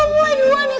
lha kamu mulai duluan ya